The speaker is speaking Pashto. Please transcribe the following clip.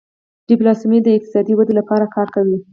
ډيپلوماسي د اقتصادي ودې لپاره کار کوي.